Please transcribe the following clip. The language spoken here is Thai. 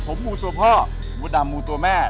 ผมมูตัวพ่อมดดำมูตัวแม่